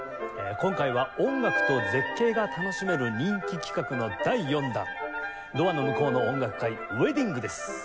今回は音楽と絶景が楽しめる人気企画の第４弾「ドアの向こうの音楽会ウェディング」です。